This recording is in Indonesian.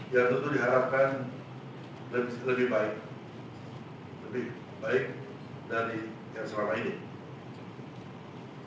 yang tentu diharapkan lebih baik dari yang selama ini